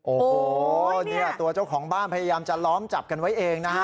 โอ้โหเนี่ยตัวเจ้าของบ้านพยายามจะล้อมจับกันไว้เองนะฮะ